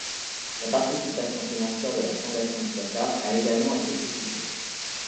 La participation financière de la Fondation du Qatar a également été critiquée.